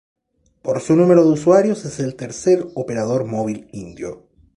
Por su número de usuarios, es el tercer operador móvil indio.